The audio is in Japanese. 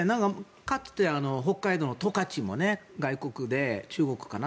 かつて北海道の十勝も外国で、中国かな